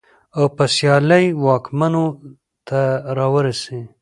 او په سيالۍ واکمنو ته راوستې.